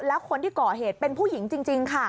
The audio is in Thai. แล้วคนที่ก่อเหตุเป็นผู้หญิงจริงค่ะ